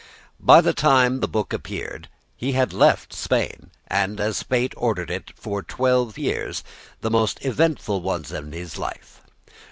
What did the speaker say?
By the time the book appeared he had left Spain, and, as fate ordered it, for twelve years, the most eventful ones of his life.